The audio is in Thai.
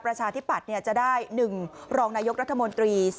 ประชาธิปัตย์จะได้๑รองนายกรัฐมนตรี